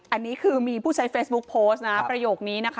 อันนี้คือมีผู้ใช้เฟซบุ๊กโพสต์นะประโยคนี้นะคะ